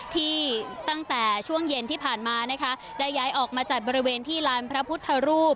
ที่ตั้งแต่ช่วงเย็นที่ผ่านมานะคะได้ย้ายออกมาจัดบริเวณที่ลานพระพุทธรูป